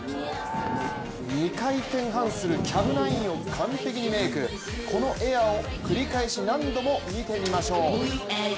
２回転半するキャブナインを完璧にメーク、このエアを繰り返し何度も見てみましょう。